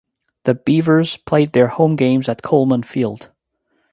The Beavers played their home games at Coleman Field.